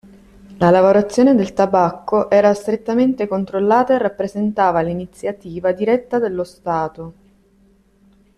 La lavorazione del tabacco, era strettamente controllata e rappresentava l'iniziativa diretta dello Stato.